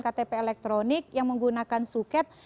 ktp elektronik yang menggunakan suket